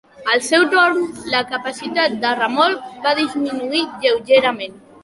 Al seu torn, la capacitat de remolc va disminuir lleugerament.